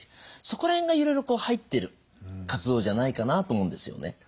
そこら辺がいろいろ入ってる活動じゃないかなと思うんですよね。